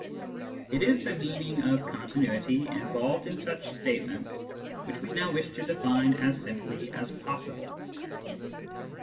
It is the meaning of " continuity " involved in such statements which we now wish to define as simply as possible.